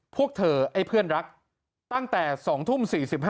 พวกเธอไอ้เพื่อนรักตั้งแต่๒ทุ่ม๔๕